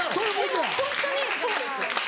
でもホントにそうです。